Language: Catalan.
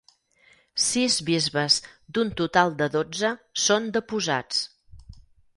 Sis bisbes d'un total de dotze són deposats.